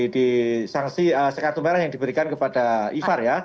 di sanksi se kartu merah yang diberikan kepada ivar ya